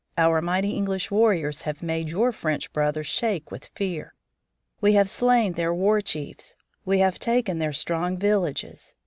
Our mighty English warriors have made your French brothers shake with fear. We have slain their war chiefs; we have taken their strong villages.